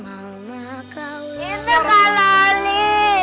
itu kak loli